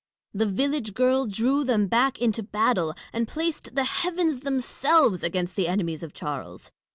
The village girl drew them back into battle, and placed the heavens themselves against the enemies of Charles.